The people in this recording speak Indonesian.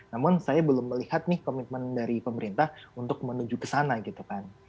namun saya belum melihat nih komitmen dari pemerintah untuk menuju ke sana gitu kan